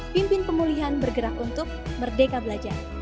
pimpin pemulihan bergerak untuk merdeka belajar